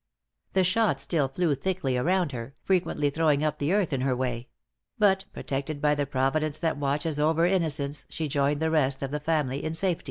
The shot still flew thickly around her, frequently throwing up the earth in her way; but protected by the Providence that watches over innocence, she joined the rest of the family in safety.